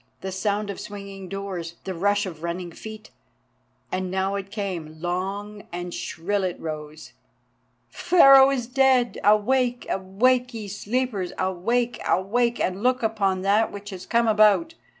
The sound of swinging doors, the rush of running feet. And now it came—long and shrill it rose. "Pharaoh is dead! Awake! Awake, ye sleepers! Awake! awake! and look upon that which has come about.